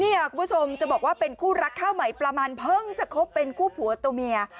คุณผู้ชมจะบอกว่าเป็นคู่รักข้าวใหม่ประมาณเพิ่งจะคบเป็นคู่ผัวตัวเมีย